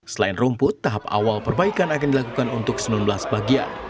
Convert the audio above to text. selain rumput tahap awal perbaikan akan dilakukan untuk sembilan belas bagian